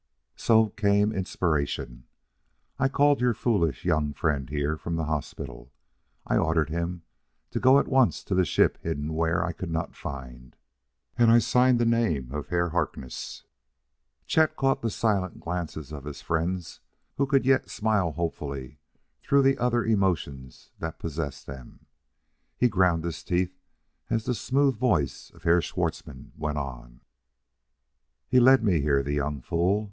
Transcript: "So came inspiration! I called your foolish young friend here from the hospital. I ordered him to go at once to the ship hidden where I could not find, and I signed the name of Herr Harkness." Chet caught the silent glances of his friends who could yet smile hopefully through the other emotions that possessed them. He ground his teeth as the smooth voice of Herr Schwartzmann went on: "He led me here: the young fool!